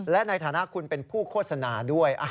และในฐานะคุณเป็นผู้โฆษณาด้วย